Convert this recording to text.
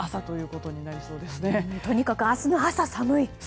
とにかく明日の朝が寒い。